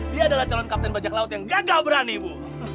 dia adalah calon kapten bajak laut yang gagal berani bu